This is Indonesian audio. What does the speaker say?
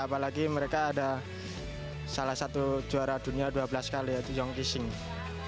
apalagi mereka ada salah satu juara dunia dua belas kali yaitu yongki singh